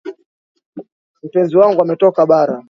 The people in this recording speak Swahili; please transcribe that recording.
Mpenzi wangu ametoka bara.